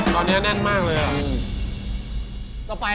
ตอนนี้แน่นมากเลยอ่ะ